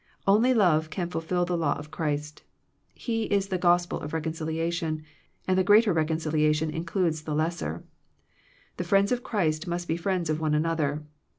Only love can fulfill the law of Christ. His is the Gospel of reconcili ation, and the greater reconciliation in cludes the lesser. The friends of Christ must be friends of one another.